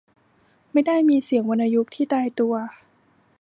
ไม่ได้มีเสียงวรรณยุกต์ที่ตายตัว